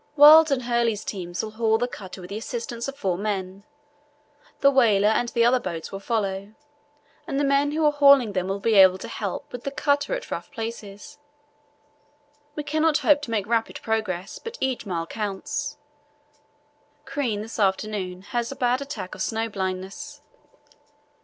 Wild's and Hurley's teams will haul the cutter with the assistance of four men. The whaler and the other boats will follow, and the men who are hauling them will be able to help with the cutter at the rough places. We cannot hope to make rapid progress, but each mile counts. Crean this afternoon has a bad attack of snow blindness."